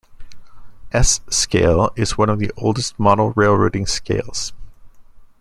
S Scale is one of the oldest model railroading scales.